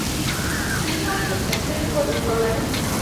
ސިމިއޯނީ އެތުލެޓިކޯ ދޫކޮށްލަނީ؟